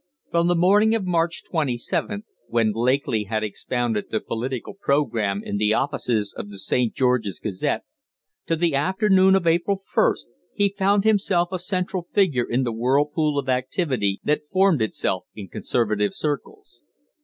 From the morning of March 27th, when Lakely had expounded the political programme in the offices of the 'St. George's Gazette', to the afternoon of April 1st he found himself a central figure in the whirlpool of activity that formed itself in Conservative circles.